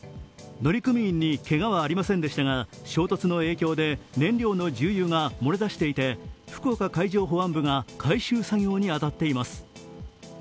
乗組員にけがはありませんでしたが、衝突の影響で燃料の重油が漏れ出していて、福岡海上保安部が回収作業に当たっています。